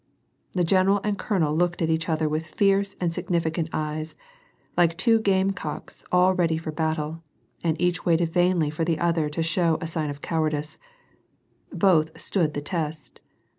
The general and colonel looked at each other with fierce and significant eyes, like two game cocks all ready for battle, and each waited vainly for the other to show sign of cowardice. Both stood the test.